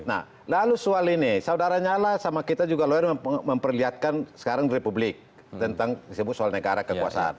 nah lalu soal ini saudara nyala sama kita juga lawyer memperlihatkan sekarang republik tentang disebut soal negara kekuasaan